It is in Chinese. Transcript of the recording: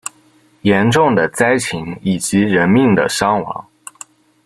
严重的灾情以及人命的伤亡